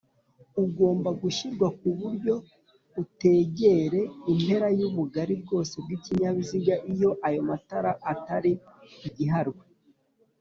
ugomba gushyirwa kuburyo utegere impera y’ubugali bwose bw’ikinyabiziga iyo ayo matara Atari igiharwe